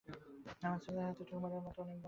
আমার ছেলের হাতে টিউমারের মত অনেকগুলো দলার মত হয়েছে।